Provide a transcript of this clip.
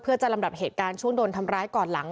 เพื่อจะลำดับเหตุการณ์ช่วงโดนทำร้ายก่อนหลัง